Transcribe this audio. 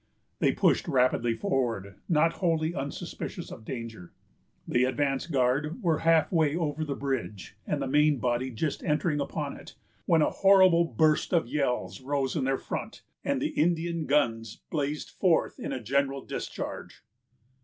They pushed rapidly forward, not wholly unsuspicious of danger. The advance guard were half way over the bridge, and the main body just entering upon it, when a horrible burst of yells rose in their front, and the Indian guns blazed forth in a general discharge.